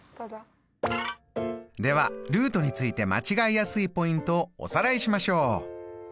ではルートについて間違いやすいポイントをおさらいしましょう。